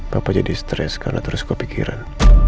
bapak jadi stres karena terus kepikiran